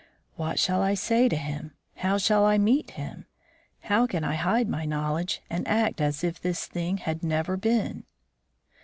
"What shall I say to him? how shall I meet him? how can I hide my knowledge and act as if this thing had never been?"